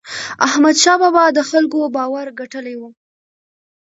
احمدشاه بابا د خلکو باور ګټلی و.